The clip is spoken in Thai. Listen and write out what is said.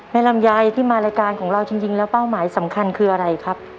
ลำไยที่มารายการของเราจริงแล้วเป้าหมายสำคัญคืออะไรครับ